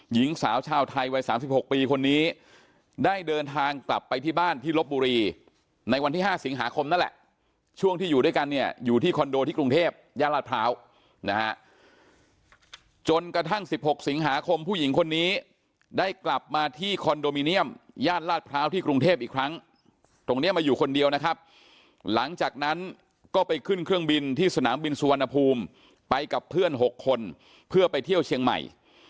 หญิงสาวชาวไทยวัย๓๖ปีคนนี้ได้เดินทางกลับไปที่บ้านที่ลบบุรีในวันที่๕สิงหาคมนั่นแหละช่วงที่อยู่ด้วยกันเนี่ยอยู่ที่คอนโดที่กรุงเทพย่านราชพร้าวนะฮะจนกระทั่ง๑๖สิงหาคมผู้หญิงคนนี้ได้กลับมาที่คอนโดมิเนียมย่านราชพร้าวที่กรุงเทพอีกครั้งตรงนี้มาอยู่คนเดียวนะครับหลังจากนั้นก็ไป